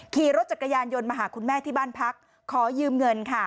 ขี่รถจักรยานยนต์มาหาคุณแม่ที่บ้านพักขอยืมเงินค่ะ